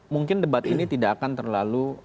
mungkin debat ini tidak akan terlalu